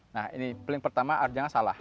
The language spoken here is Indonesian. nah ini paling pertama artinya salah